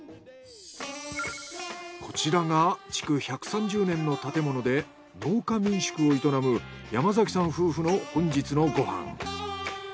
こちらが築１３０年の建物で農家民宿を営む山崎さん夫婦の本日のご飯。